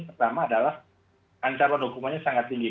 pertama adalah ancaman hukumannya sangat tinggi